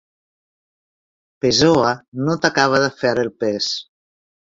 Pessoa no t'acaba de fer el pes.